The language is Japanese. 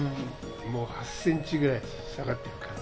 ８センチぐらい下がっているから。